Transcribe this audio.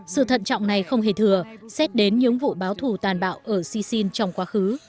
sự thận trọng này không hề thừa xét đến những vụ báo thù tàn bạo ở sisin trong quá khứ